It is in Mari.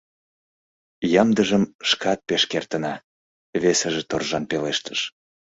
— Ямдыжым шкат пеш кертына, — весыже торжан пелештыш.